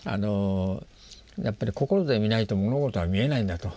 やっぱり心で見ないと物事は見えないんだと。